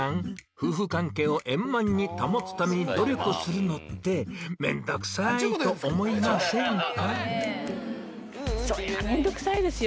夫婦関係を円満に保つために努力するのって面倒くさいと思いませんか？